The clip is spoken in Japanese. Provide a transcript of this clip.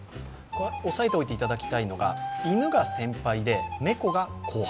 押さえておいていただきたいのが犬が先輩で猫が後輩。